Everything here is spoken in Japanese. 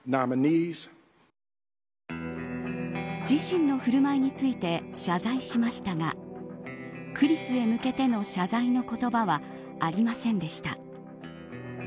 自身の振る舞いについて謝罪しましたがクリスへ向けての謝罪の言葉はありませんでした。